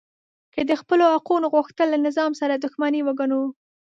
که د خپلو حقونو غوښتل له نظام سره دښمني وګڼو